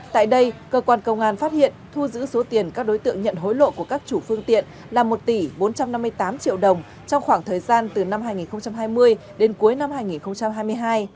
tại đây cơ quan công an phát hiện thu giữ số tiền các đối tượng nhận hối lộ của các chủ phương tiện là một tỷ bốn trăm năm mươi tám triệu đồng trong khoảng thời gian từ năm hai nghìn hai mươi đến cuối năm hai nghìn hai mươi hai